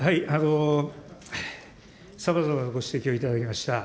さまざまなご指摘をいただきました。